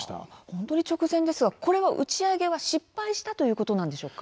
本当に直前ですがこれは打ち上げは失敗したということなんでしょうか？